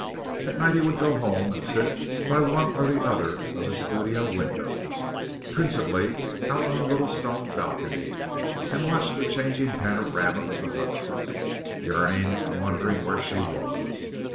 At night he would go home and sit by one or the other of his studio windows, principally out on the little stone balcony, and watch the changing panorama of the Hudson, yearning and wondering where she was.